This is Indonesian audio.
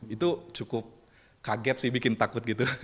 itu cukup kaget sih bikin takut gitu